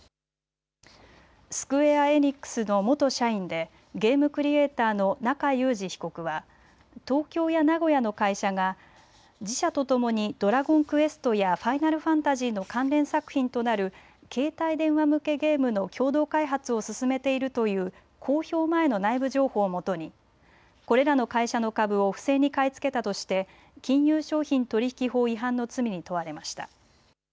スクウェア・エニックスの元社員でゲームクリエーターの中裕司被告は東京や名古屋の会社が自社とともにドラゴンクエストやファイナル・ファンタジーの関連作品となる携帯電話向けゲームの共同開発を進めているという公表前の内部情報をもとにこれらの会社の株を不正に買い付けたとして金融商品取引法違反の罪に問われました。